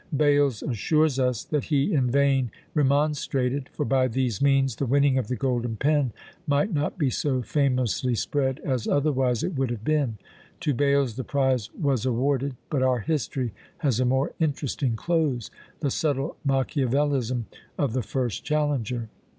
Bales assures us, that he in vain remonstrated; for by these means the winning of the golden pen might not be so famously spread as otherwise it would have been. To Bales the prize was awarded. But our history has a more interesting close; the subtle Machiavelism of the first challenger!